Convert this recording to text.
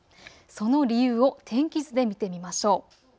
その理由を天気図で見てみましょう。